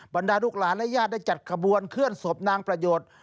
บรรดาลูกหลานและญาติได้จัดขบวนเคลื่อนศพนางประโยชน์